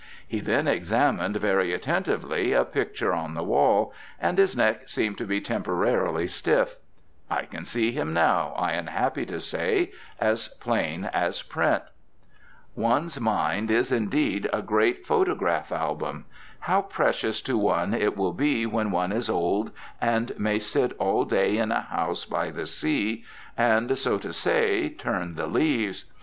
He then examined very attentively a picture on the wall, and his neck seemed to be temporarily stiff. I can see him now, I am happy to say, as plain as print. One's mind is, indeed, a grand photograph album. How precious to one it will be when one is old and may sit all day in a house by the sea and, so to say, turn the leaves.